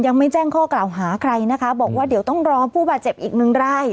ยังไม่แจ้งข้อกล่าวหาใครนะคะบอกว่าเดี๋ยวต้องรอผู้บาดเจ็บอีกหนึ่งไร่